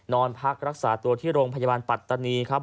นอนพักรักษาตัวที่โรงพยาบาลปัตตานีครับ